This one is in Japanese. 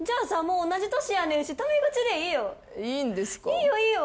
いいよいいよ。